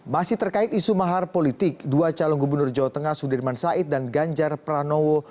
masih terkait isu mahar politik dua calon gubernur jawa tengah sudirman said dan ganjar pranowo